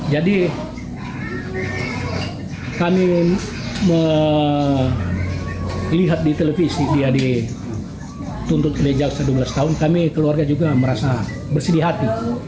jadi kami melihat di televisi dia dituntut oleh jaksa dua belas tahun kami keluarga juga merasa bersedih hati